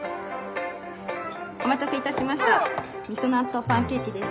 お待たせいたしました味噌納豆パンケーキです。